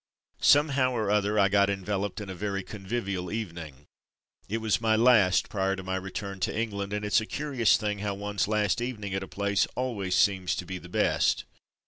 Somehow or other I got enveloped in a very convivial evening. It was my last prior to my return to England and it's a curious thing how one's last eve ning at a place always seems to be the best.